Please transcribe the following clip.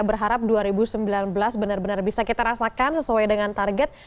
berharap dua ribu sembilan belas benar benar bisa kita rasakan sesuai dengan target